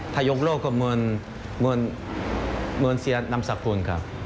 ถ้ายกโลกก็เหมือนเสียนำสักพล